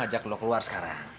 gue jatuhin satu siang ke dia aja